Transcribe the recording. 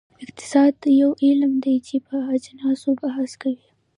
اقتصاد یو علم دی چې په اجناسو بحث کوي.